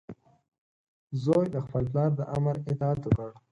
زوی د خپل پلار د امر اطاعت وکړ.